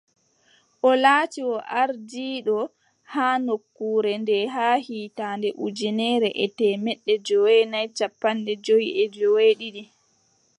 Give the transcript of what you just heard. O laati o ardiiɗo haa nokkure nde haa hitaande ujineere e temeɗɗe joweenay cappanɗe jowi e joweeɗiɗi.